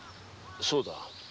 そうだ。